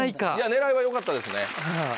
狙いはよかったですね。